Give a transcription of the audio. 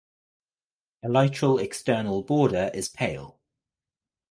Elytral external border is pale.